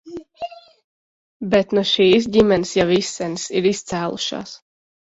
Bet nu šīs ģimenes jau izsenis ir izcēlušās.